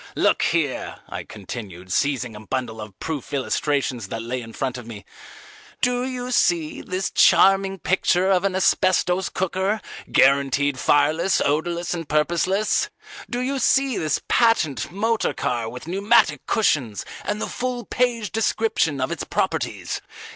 Look here," I continued, seizing a bundle of proof illustrations that lay in front of me, "do you see this charming picture of an Asbestos Cooker, guaranteed fireless, odourless, and purposeless? Do you see this patent motor car with pneumatic cushions, and the full page description of its properties?